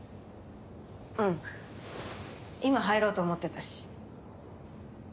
うん今入ろうと思ってたし。